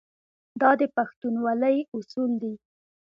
دا د پښتونولۍ اصول دي.